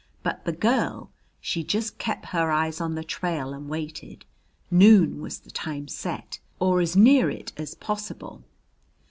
But the girl, she just kep' her eyes on the trail and waited. Noon was the time set, or as near it as possible.